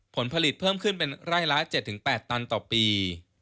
ผลผลิตเพิ่มขึ้นเป็นไร่ละ๗๘ตันต่อปี